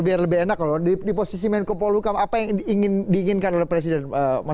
biar lebih enak loh di posisi menko polhukam apa yang diinginkan oleh presiden mas bambang